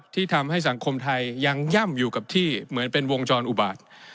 ที่ทำให้สังคมไทยยังย่ำอยู่กับที่เหมือนเป็นวงจรอุบาต